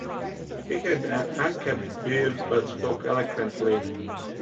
He had an unkempt beard but spoke eloquently.